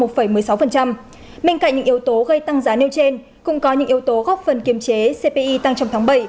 bên cạnh những yếu tố gây tăng giá nêu trên cũng có những yếu tố góp phần kiềm chế cpi tăng trong tháng bảy